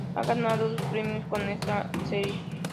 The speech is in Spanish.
Ha ganado dos premios con esta serie.